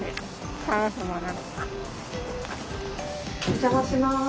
お邪魔します。